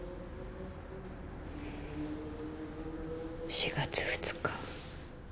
４月２日。